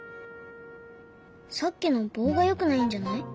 さっきの棒がよくないんじゃない？